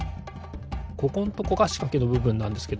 ここんとこがしかけのぶぶんなんですけど